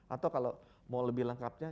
atau kalau mau lebih lengkapnya